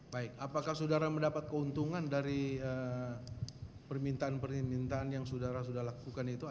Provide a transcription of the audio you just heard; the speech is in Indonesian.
baik apakah saudara mendapat keuntungan dari permintaan permintaan yang saudara sudah lakukan itu